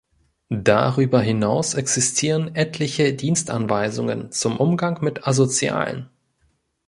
Darüber hinaus existierten etliche Dienstanweisungen zum Umgang mit „Asozialen“.